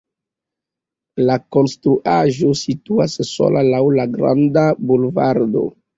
La konstruaĵo situas sola laŭ la granda bulvardo.